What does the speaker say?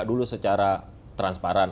dulu secara transparan